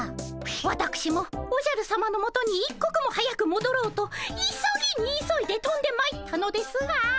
わたくしもおじゃるさまのもとに一刻も早くもどろうと急ぎに急いでとんでまいったのですが。